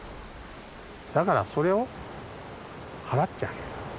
だからそれを祓ってあげる。